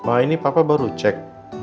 wah ini papa baru cek